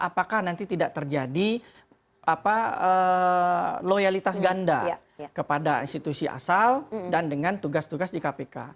apakah nanti tidak terjadi loyalitas ganda kepada institusi asal dan dengan tugas tugas di kpk